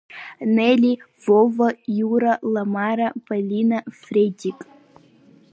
Нели, Вова, Иура, Ламара, Полина, Фредик.